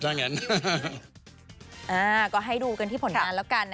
ก็ให้ดูกันที่ผลงานแล้วกัน